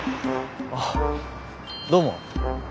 あっどうも。